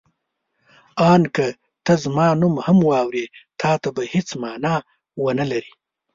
آن که ته زما نوم هم واورې تا ته به هېڅ مانا ونه لري.